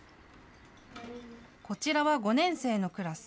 こちらは５年生のクラス。